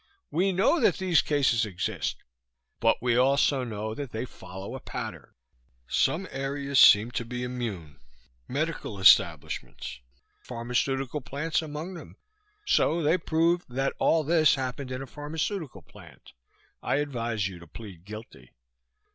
We know that these cases exist, but we also know that they follow a pattern. Some areas seem to be immune medical establishments, pharmaceutical plants among them. So they proved that all this happened in a pharmaceutical plant. I advise you to plead guilty."